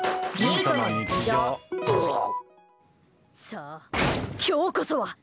さあ、今日こそは！